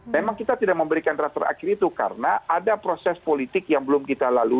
memang kita tidak memberikan draft terakhir itu karena ada proses politik yang belum kita lalui